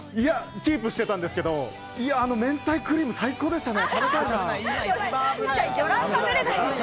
いや、キープしてたんですけど、あの明太クリーム、最高でしたね。